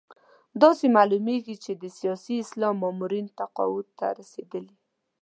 داسې معلومېږي چې د سیاسي اسلام مامورین تقاعد ته رسېدلي.